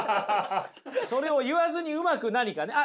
それを言わずにうまく何かね。